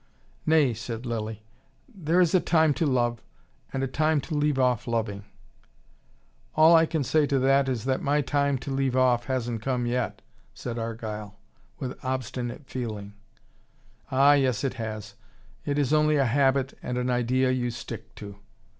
"Nay," said Lilly. "There is a time to love, and a time to leave off loving." "All I can say to that is that my time to leave off hasn't come yet," said Argyle, with obstinate feeling. "Ah, yes, it has. It is only a habit and an idea you stick to."